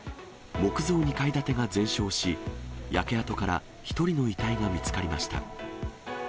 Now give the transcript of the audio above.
木造２階建てが全焼し、焼け跡から１人の遺体が見つかりました。